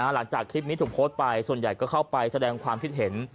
หลังจากคลิปนี้ถูกโพสต์ไปส่วนใหญ่ก็เข้าไปแสดงความคิดเห็น